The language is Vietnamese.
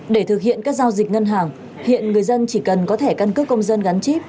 để thực hiện các giao dịch ngân hàng hiện người dân chỉ cần có thẻ căn cước công dân gắn chip